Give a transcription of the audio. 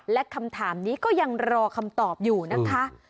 และคำถามนี้ก็ยังรอคำตอบอยู่นะคะ